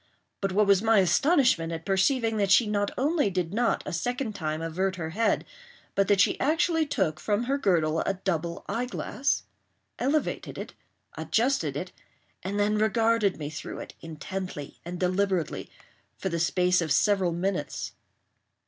But what was my astonishment at perceiving that she not only did not a second time avert her head, but that she actually took from her girdle a double eyeglass—elevated it—adjusted it—and then regarded me through it, intently and deliberately, for the space of several minutes.